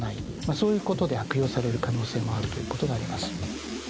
そういうことで悪用される可能性もあるということがあります。